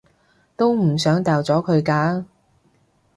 都唔想掉咗佢㗎